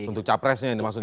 untuk capresnya ini maksudnya